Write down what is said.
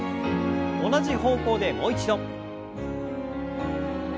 同じ方向でもう一度。